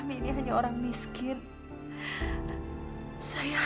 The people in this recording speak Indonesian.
ibu harus ngerti ya